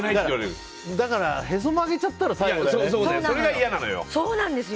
へそ曲げちゃったら最後だよね。